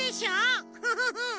フフフフ！